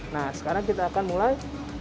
nah sekarang kita akan mulai